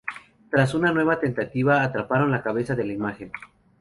Tras una nueva tentativa atraparon la cabeza de la imagen.